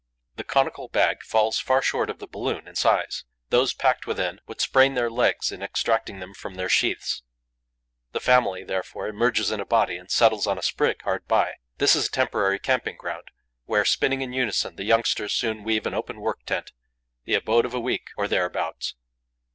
The conical bag falls far short of the balloon in size; those packed within would sprain their legs in extracting them from their sheaths. The family, therefore, emerges in a body and settles on a sprig hard by. This is a temporary camping ground, where, spinning in unison, the youngsters soon weave an open work tent, the abode of a week, or thereabouts.